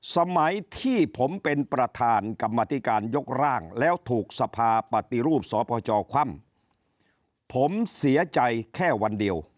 สมัยที่ผมเป็นประธานกรรมธิการยกร่างแล้วถูกสภาปฏิรูปสพจคว่ำผมเสียใจแค่วันเดียว